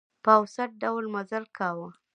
په اوسط ډول مزل کاوه.